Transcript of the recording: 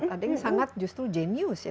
ada yang sangat justru jenius ya